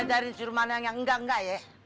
lo jangan ngajarin si romano yang nggak nggak ya